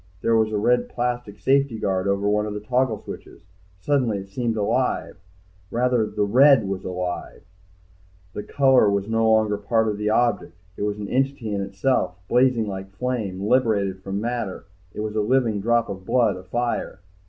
There was a red plastic safety guard over one of the toggle switches. Suddenly it seemed alive, rather the red was alive, the color was no longer part of the object, it was an entity in itself, blazing like flame, liberated from matter, it was a living drop of blood, afire.